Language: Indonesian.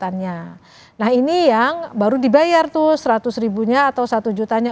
nah ini yang baru dibayar tuh seratus ribunya atau satu jutanya